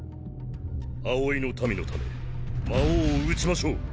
葵の民のため魔王を討ちましょう。